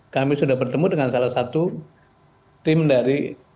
kami sudah bertemu dengan salah satu tim dari